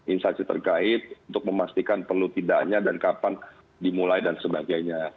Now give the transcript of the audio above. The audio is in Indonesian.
instansi terkait untuk memastikan perlu tidaknya dan kapan dimulai dan sebagainya